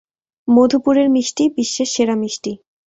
মধুপুরের মিষ্টি, বিশ্বের সেরা মিষ্টি!